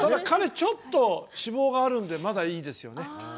彼ちょっと脂肪があるのでまだいいですよね。